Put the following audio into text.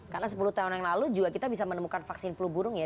karena sepuluh tahun yang lalu juga kita bisa menemukan vaksin flu burung ya